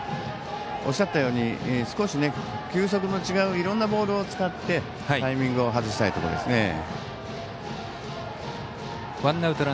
おっしゃったように少し球速の違ういろんなボールを使ってタイミングを外したいところですね。